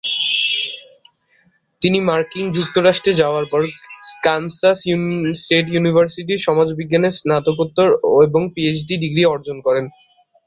তিনি মার্কিন যুক্তরাষ্ট্রে যাওয়ার পর কানসাস স্টেট ইউনিভার্সিটির সমাজবিজ্ঞানে স্নাতকোত্তর এবং পিএইচডি ডিগ্রি অর্জন করেন।